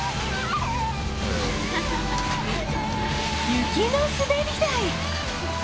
雪の滑り台！